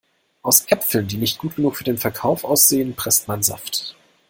Aus Äpfeln, die nicht gut genug für den Verkauf aussehen, presst man Saft.